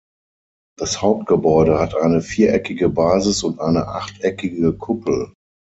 Das Hauptgebäude hat eine viereckige Basis und eine achteckige Kuppel.